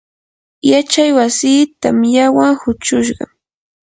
yachay wasii tamyawan huchushqam.